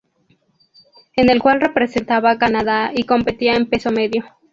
En el cual representaba a Canadá y competía en peso medio.